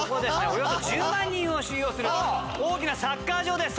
およそ１０万人を収容する大きなサッカー場です